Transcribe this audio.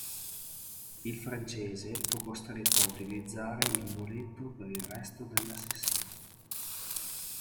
Il francese fu costretto a utilizzare il muletto per il resto della sessione.